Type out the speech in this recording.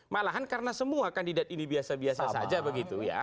malahan karena semua kandidat ini biasa biasa saja begitu ya